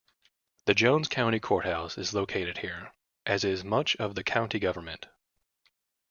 The Jones County Courthouse is located here, as is much of the county government.